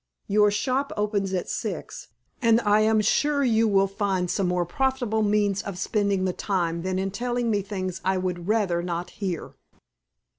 Your shop opens at six, and I am sure you will find some more profitable means of spending the time than in telling me things I would rather not hear."